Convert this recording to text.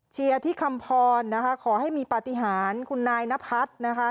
เชียร์ที่คำพรนะคะขอให้มีปฏิหารคุณนายนพัฒน์นะคะ